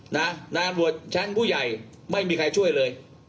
นายอำรวจชั้นผู้ใหญ่ไม่มีใครช่วยเลย